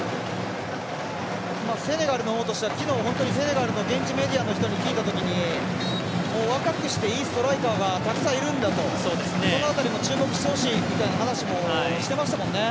セネガルのほうとしては昨日セネガルの現地メディアの人に聞いたときに若くしていいストライカーがたくさんいるんだとその辺りも注目してほしいみたいな話もしていましたもんね。